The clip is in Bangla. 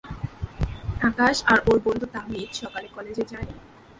আকাশ আর ওর বন্ধু তাহমিদ সকালে কলেজে যায়নি।